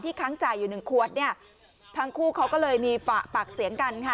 ที่ค้างจ่ายอยู่๑ขวดทั้งคู่เขาก็เลยมีปากเสียงกัน